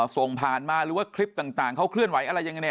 ส่งผ่านมาหรือคลิปต่างเขาเคลื่อนไหวไหน